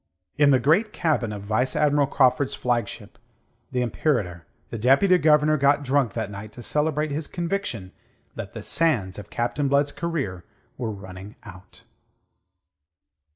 In the great cabin of Vice Admiral Craufurd's flagship, the Imperator, the Deputy Governor got drunk that night to celebrate his conviction that the sands of Captain Blood's career were running out.